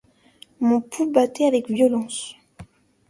Mon pouls battait avec violence.